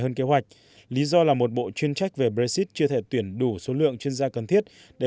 hơn kế hoạch lý do là một bộ chuyên trách về brexit chưa thể tuyển đủ số lượng chuyên gia cần thiết để